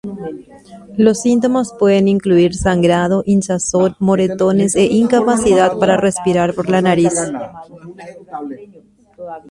Los síntomas pueden incluir sangrado, hinchazón, moretones e incapacidad para respirar por la nariz.